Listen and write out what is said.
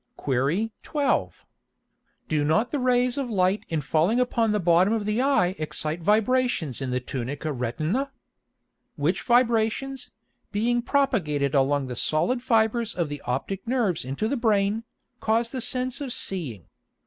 Qu. 12. Do not the Rays of Light in falling upon the bottom of the Eye excite Vibrations in the Tunica Retina? Which Vibrations, being propagated along the solid Fibres of the optick Nerves into the Brain, cause the Sense of seeing.